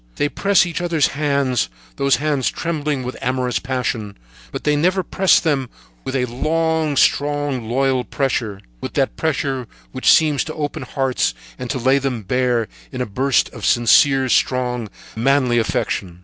They press each other's hands, those hands trembling with amorous passion; but they never press them with a long, strong, loyal pressure, with that pressure which seems to open hearts and to lay them bare in a burst of sincere, strong, manly affection.